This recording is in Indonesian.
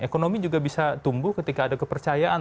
ekonomi juga bisa tumbuh ketika ada kepercayaan